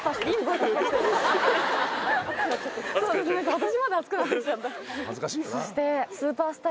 私まで熱くなってきちゃった。